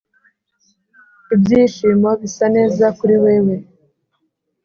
ibyishimo bisa neza kuri wewe.